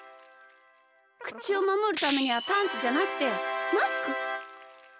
くちをまもるためにはパンツじゃなくてマスク！